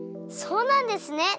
そうなんですね。